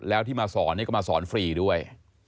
แล้วที่มาสอนก็มาสอนฟรีด้วย